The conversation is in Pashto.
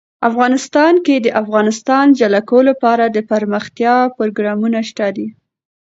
افغانستان کې د د افغانستان جلکو لپاره دپرمختیا پروګرامونه شته.